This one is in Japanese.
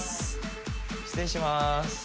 失礼します。